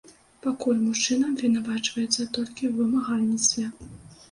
Пакуль мужчына абвінавачваецца толькі ў вымагальніцтве.